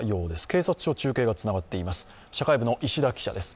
警察署と中継がつながっています。